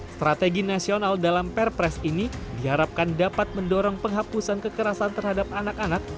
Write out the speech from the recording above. strategi nasional dalam perpres ini diharapkan dapat mendorong penghapusan kekerasan terhadap anak anak